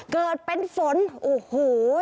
เกิดเป็นฝนโอ้โห